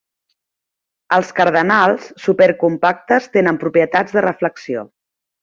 Els cardenals supercompactes tenen propietats de reflexió.